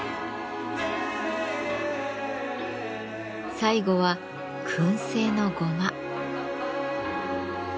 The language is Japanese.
最後は燻製のごま。